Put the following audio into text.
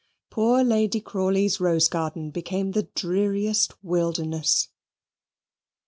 Poor Lady Crawley's rose garden became the dreariest wilderness.